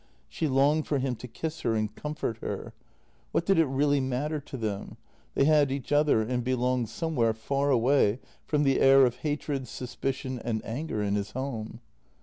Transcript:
She longed for him to kiss her and comfort her. What did it really matter to them? They had each other, and belonged somewhere far away from the air of hatred, suspicion, and anger in his home.